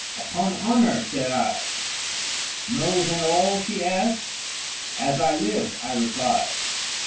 "Upon honor," said I. "Nose and all?" she asked. "As I live," I replied.